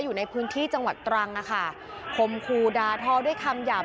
อยู่ในพื้นที่จังหวัดตรังนะคะคมคูดาทอด้วยคำหยาบ